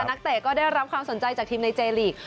นักเตะก็ได้รับความสนใจจากทีมในเจลีก